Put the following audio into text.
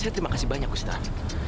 saya terima kasih banyak ustadz